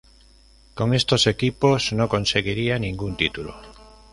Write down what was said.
Con estos equipos no conseguiría ningún título.